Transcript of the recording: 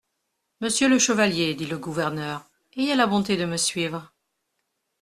Monsieur le chevalier, dit le gouverneur, ayez la bonté de me suivre.